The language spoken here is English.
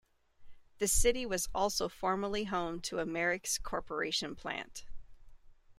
The city was also formerly home to a Merix Corporation plant.